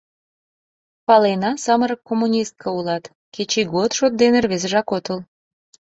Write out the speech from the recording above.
— Палена, самырык коммунистка улат, кеч ийгот шот дене рвезыжак отыл.